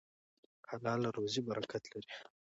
حلاله روزي برکت لري.